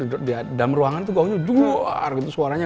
dalam ruangan tuh gaungnya juar gitu suaranya